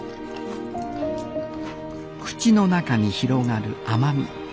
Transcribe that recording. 口の中に広がる甘み。